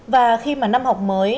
và khi mà năm học mới